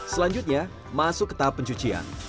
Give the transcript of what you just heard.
selanjutnya masuk ke tahap pencucian